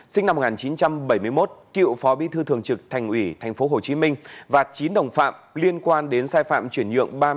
sinh năm một nghìn chín trăm bảy mươi một cựu phó bí thư thường trực thành ủy tp hcm và chín đồng phạm liên quan đến sai phạm chuyển nhượng